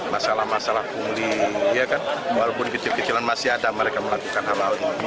masalah masalah pungli walaupun kecil kecilan masih ada mereka melakukan hal hal ini